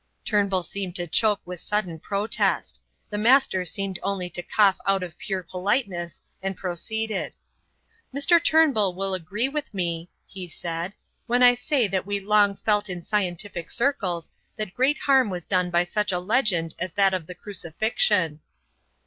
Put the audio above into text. Turnbull seemed to choke with sudden protest. The Master seemed only to cough out of pure politeness and proceeded: "Mr. Turnbull will agree with me," he said, "when I say that we long felt in scientific circles that great harm was done by such a legend as that of the Crucifixion."